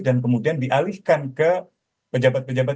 dan kemudian dialihkan ke pejabat pejabat